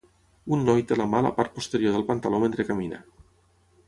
Un noi té la mà a la part posterior del pantaló mentre camina.